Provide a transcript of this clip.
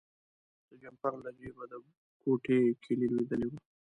د جمپر له جیبه د کوټې کیلي لویدلې وه.